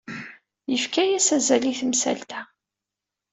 Yefka-as azal i temsalt-a.